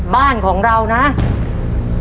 บ้านของเรานู้นใหม่